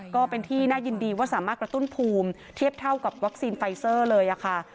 ก็เป็นที่น่ายินดีว่าสามารถกระตุ้นภูมิเทียบเท่ากับวัคซีนไฟเซอร์เลยค่ะ